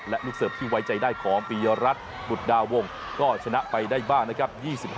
และลูกเสิร์ฟที่ไว้ใจได้ของปียรัฐบุตรดาวงก็ชนะไปได้บ้างนะครับ